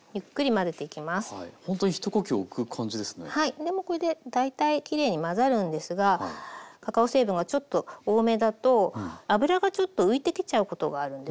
でもこれで大体きれいに混ざるんですがカカオ成分がちょっと多めだと脂がちょっと浮いてきちゃうことがあるんですね。